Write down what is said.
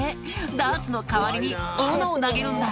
「ダーツの代わりに斧を投げるんだ」